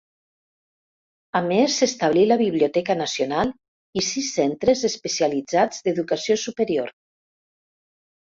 A més, s'establí la Biblioteca Nacional i sis centres especialitzats d'educació superior.